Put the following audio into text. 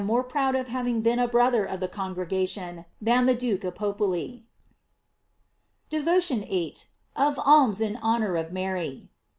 more proud of having been a brother of thf congregation than the Duke of Popoli." DEVOTION VIII. OP ALMS IN HONOR OF MARY.